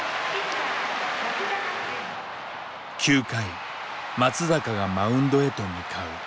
９回松坂がマウンドへと向かう。